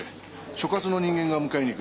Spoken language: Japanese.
所轄の人間が迎えにいく。